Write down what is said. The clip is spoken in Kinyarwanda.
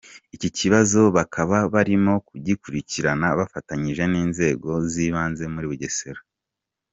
Iki kibazo bakaba barimo kugikirikirana bafatanyije n’inzego z’ibanze muri Bugesera.